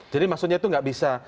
jadi maksudnya itu nggak bisa